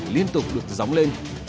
liên tục được dóng lên